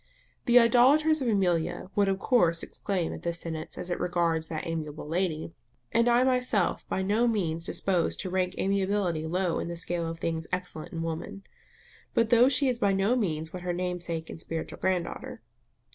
The idolaters of Amelia would of course exclaim at this sentence as it regards that amiable lady; and I am myself by no means disposed to rank amiability low in the scale of things excellent in woman. But though she is by no means what her namesake and spiritual grand daughter.